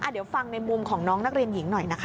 เดี๋ยวฟังในมุมของน้องนักเรียนหญิงหน่อยนะคะ